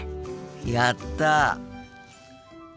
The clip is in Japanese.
やった！